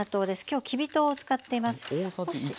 今日きび糖を使っています。